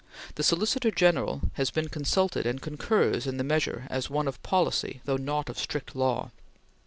"The Solicitor General has been consulted and concurs in the measure as one of policy though not of strict law.